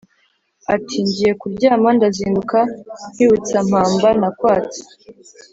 Ati: ngiye kuryamaNdazinduka nkwibutsampamba nakwatse